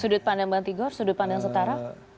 sudut pandang bang tigor sudut pandang setara